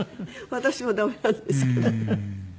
私はダメなんですけど。